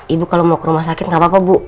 ibu kalau mau ke rumah sakit nggak apa apa bu